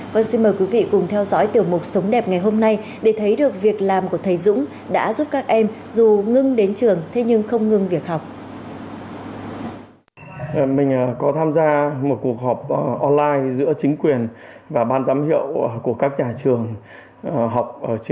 vâng xin mời quý vị cùng theo dõi tiểu mục sống đẹp ngày hôm nay để thấy được việc làm của thầy dũng đã giúp các em dù ngưng đến trường thế nhưng không ngưng việc học